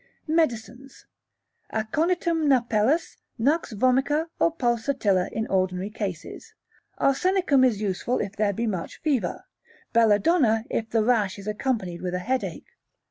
Medicines. Aconitum napellus, Nux vomica, or Pulsatilla, in ordinary cases; Arsenicum is useful if there be much fever; Belladonna if the rash is accompanied with headache.